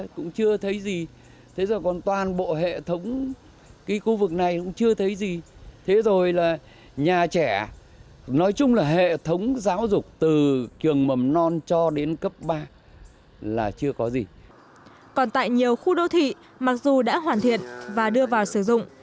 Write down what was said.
còn tại nhiều khu đô thị mặc dù đã hoàn thiện và đưa vào sử dụng